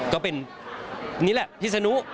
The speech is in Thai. ก็เป็นนี่แหละพิศนุ